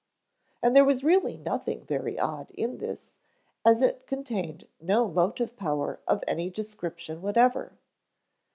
And there was really nothing very odd in this, as it contained no motive power of any description whatever.